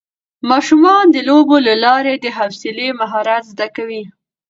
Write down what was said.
ماشومان د لوبو له لارې د حوصلې مهارت زده کوي